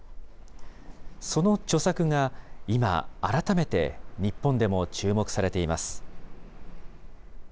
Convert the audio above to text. その著作が今、改めて日本でも注目されています。